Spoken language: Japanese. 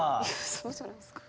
そうじゃないですか。